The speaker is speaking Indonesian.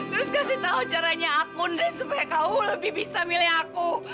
terus kasih tahu caranya aku ndres supaya kamu lebih bisa milih aku